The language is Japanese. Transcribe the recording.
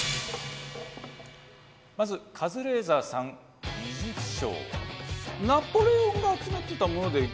まずカズレーザーさん美術商。